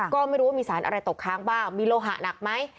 ก็ไม่รู้ว่ามีสารอะไรตกค้างบ้างมีโลหะหนักไหม